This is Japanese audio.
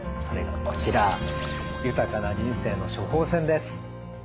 それがこちら「豊かな人生の処方せん」です。